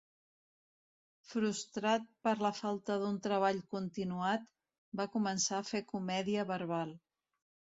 Frustrat per la falta d'un treball continuat, va començar a fer comèdia verbal.